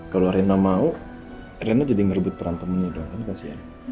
kalau rena mau rena jadi ngerebut peran temennya dong kan kasihan